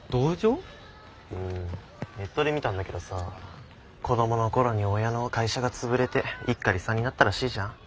ネットで見たんだけどさ子どもの頃に親の会社が潰れて一家離散になったらしいじゃん。